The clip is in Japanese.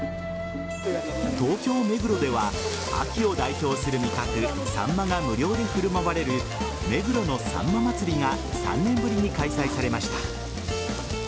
東京・目黒では秋を代表する味覚・サンマが無料で振る舞われる目黒のさんま祭が３年ぶりに開催されました。